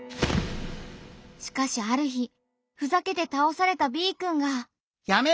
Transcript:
しかしある日ふざけて倒されたＢくんが。